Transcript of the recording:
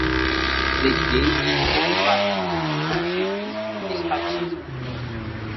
Zeitgeist, pan-eslavismo, bolchevismo, estatismo